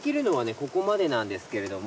ここまでなんですけれども。